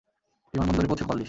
বিমানবন্দরে পৌঁছে call this.